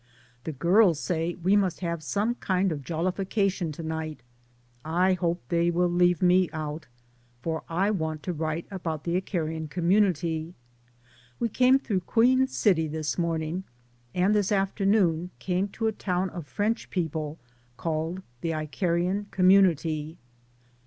The girls say we must have some kind of a jollification to night. I hope they will leave me out, for I want to write about the "Icarian Community." We came through Queen City this morning, and this afternoon came to a town of French people, called ''The Icarian Community."